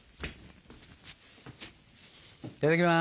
いただきます。